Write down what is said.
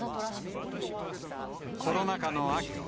コロナ禍の秋。